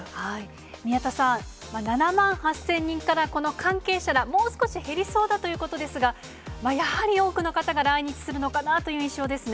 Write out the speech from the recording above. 宮田さん、７万８０００人から、この関係者ら、もう少し減りそうだということですが、やはり多くの方が来日するのかなという印象ですね。